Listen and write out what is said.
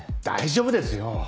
大丈夫ですよ！